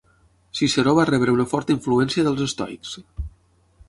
Ciceró va rebre una forta influència dels estoics.